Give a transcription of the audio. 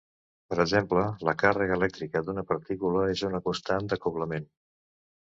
Per exemple, la càrrega elèctrica d'una partícula és una constant d'acoblament.